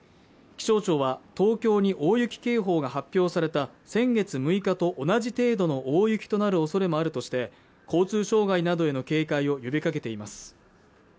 気象庁は東京に大雪警報が発表された先月６日と同じ程度の大雪となるおそれもあるとして交通障害などへの警戒を呼びかけています